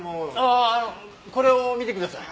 あのこれを見てください。